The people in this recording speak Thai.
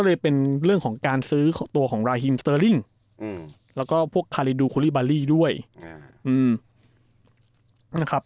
ก็เลยเป็นเรื่องของการซื้อตัวของอืมแล้วก็พวกด้วยอืมนะครับ